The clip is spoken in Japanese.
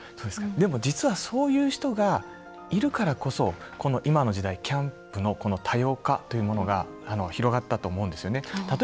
実は、そういう人がいるからこそ、この今の時代キャンプの多様化というものが広がったと思うんですよね。